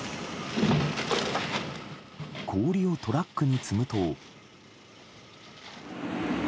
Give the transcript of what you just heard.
氷をトラックに積むと。